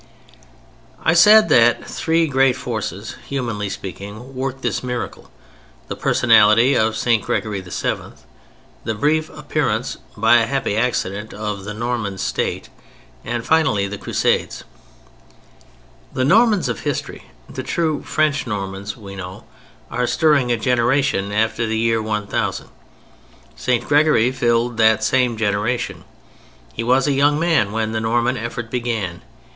I said that three great forces, humanly speaking, worked this miracle; the personality of St. Gregory VII.; the brief appearance, by a happy accident, of the Norman State; and finally the Crusades. The Normans of history, the true French Normans we know, are stirring a generation after the year 1000. St. Gregory filled that same generation. He was a young man when the Norman effort began.